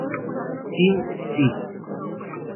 Team feat.